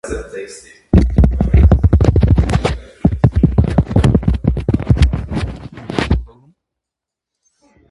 Նա այդպիսով դարձավ նոր անկախացած ազգի առաջին առաջնորդը։